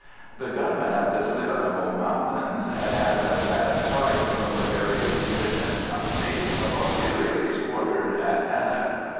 The gunmen on the Slievenamoe Mountains had had a bad fright from the very efficient company of Auxiliaries quartered at Annagh.